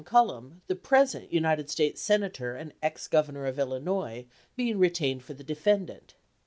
Cullom, the present United States senator and ex Governor of Illinois, being retained for the defendant.